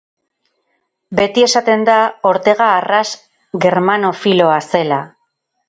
Beti esaten da, Ortega arras germanofiloa zela.